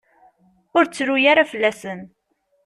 Ur ttru ara fell-asen.